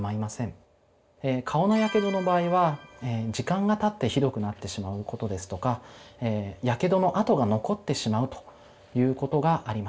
え顔のやけどの場合は時間がたってひどくなってしまうことですとかやけどの痕が残ってしまうということがあります。